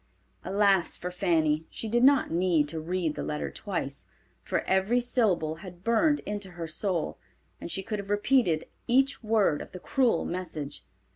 Alas for Fanny! She did not need to read the letter twice, for every syllable had burned into her soul, and she could have repeated each word of the cruel message.